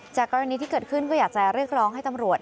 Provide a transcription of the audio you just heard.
กรณีที่เกิดขึ้นก็อยากจะเรียกร้องให้ตำรวจ